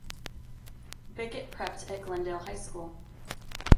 Bickett prepped at Glendale High School.